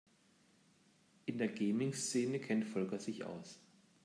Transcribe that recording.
In der Gaming-Szene kennt Volker sich aus.